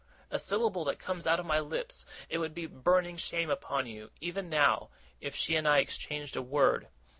a syllable that comes out of my lips. It would be a burning shame upon you, even now, if she and I exchanged a word.